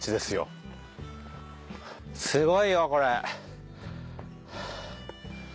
すごいよこれ。